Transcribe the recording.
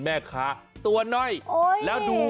สมัครข้าวเด็ก